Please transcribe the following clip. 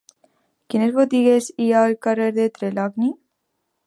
Quines botigues hi ha al carrer de Trelawny?